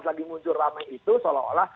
lagi muncul ramai itu seolah olah